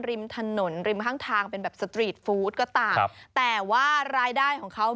ริมถนนริมข้างทางเป็นแบบสตรีทฟู้ดก็ตามครับแต่ว่ารายได้ของเขา